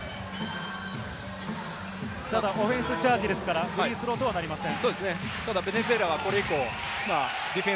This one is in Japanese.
オフェンスチャージですからフリースローとはなりません。